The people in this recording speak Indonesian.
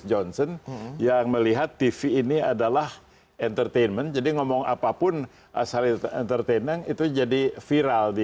jokowi dan sandi